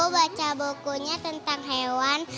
baca bukunya tentang hewan